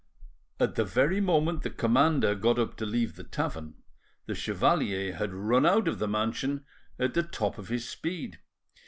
At the very moment the commander got up to leave the tavern the chevalier had run out of the mansion at the top of his speed.